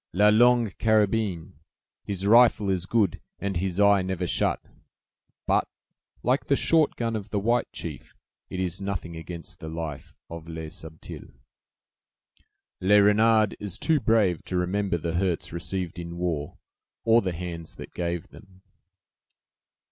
"'La Longue Carabine'! His rifle is good, and his eye never shut; but, like the short gun of the white chief, it is nothing against the life of Le Subtil." "Le Renard is too brave to remember the hurts received in war, or the hands that gave them."